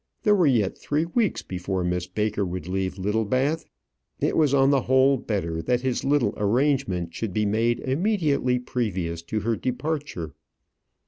There were yet three weeks before Miss Baker would leave Littlebath. It was on the whole better that his little arrangement should be made immediately previous to her departure.